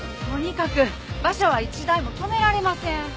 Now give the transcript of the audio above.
とにかく馬車は一台も止められません！